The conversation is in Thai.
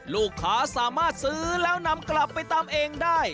ลูกค้าสามารถซื้อแล้วนำกลับไปตำเองได้